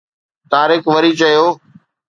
طارق وري چيو